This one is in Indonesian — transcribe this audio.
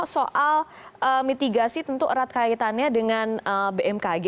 soal mitigasi tentu erat kaitannya dengan bmkg